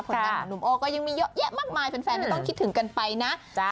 งานของหนุ่มโอ้ก็ยังมีเยอะแยะมากมายแฟนต้องคิดถึงกันไปนะ